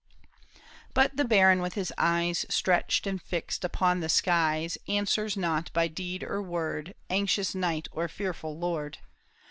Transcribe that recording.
But the baron with his eyes Stretched and fixed upon the skies, Answers not by deed or word Anxious knight or fearful lord.